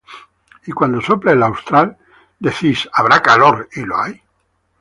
Y cuando sopla el austro, decís: Habrá calor; y lo hay.